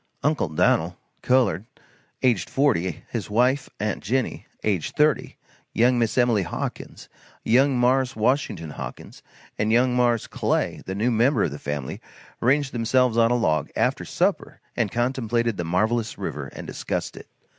"Uncle Dan'l" (colored,) aged 40; his wife, "aunt Jinny," aged 30, "Young Miss" Emily Hawkins, "Young Mars" Washington Hawkins and "Young Mars" Clay, the new member of the family, ranged themselves on a log, after supper, and contemplated the marvelous river and discussed it.